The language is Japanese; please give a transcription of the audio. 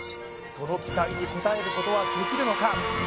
その期待に応えることはできるのか？